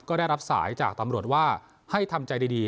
ก็ได้รับสายจากตำรวจว่าให้ทำใจดี